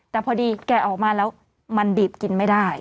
แต่พอดีแกะออกมาแล้วมันดีดกินไม่ได้